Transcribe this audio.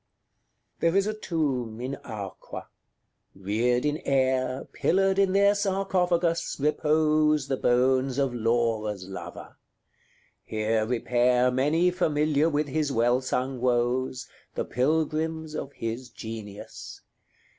XXX. There is a tomb in Arqua; reared in air, Pillared in their sarcophagus, repose The bones of Laura's lover: here repair Many familiar with his well sung woes, The pilgrims of his genius.